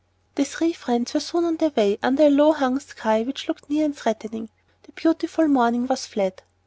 The three friends were soon on their way, under a low hung sky, which looked near and threatening. The beautiful morning was fled.